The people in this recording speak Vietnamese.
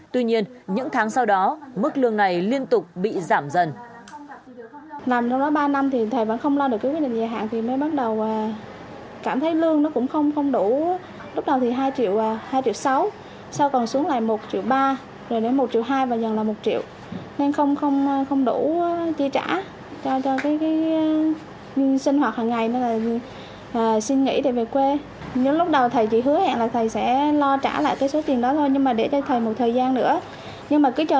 tuy nhiên những tháng sau đó mức lương này liên tục bị giảm dần